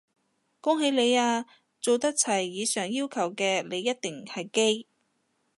恭喜你啊，做得齊以上要求嘅你一定係基！